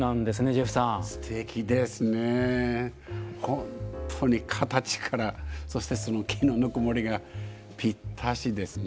本当に形からそして木のぬくもりがぴったしですね。